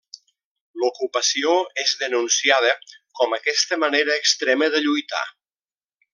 L'ocupació és denunciada, com aquesta manera extrema de lluitar.